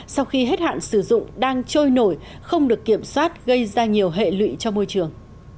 sau khi hết hạn sử dụng đang trôi nổi không được kiểm soát gây ra nhiều hệ lụy cho môi trường